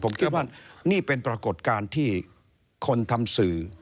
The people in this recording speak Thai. ผมคิดว่านี่เป็นปรากฏการณ์ที่คนทำสื่อ